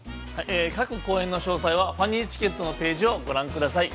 ◆各公演の詳細はＦＡＮＹチケットのページをご覧ください。